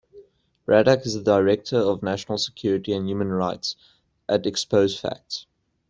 Radack is the director of National Security and Human Rights at Expose Facts.